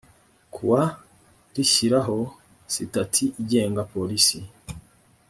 kuwa rishyiraho sitati igenga polisi